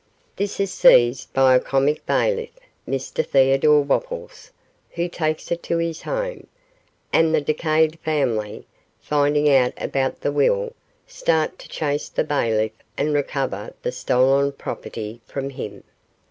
This is seized by a comic bailiff (Mr Theodore Wopples), who takes it to his home; and the decayed family, finding out about the will, start to chase the bailiff and recover the stolen property from him.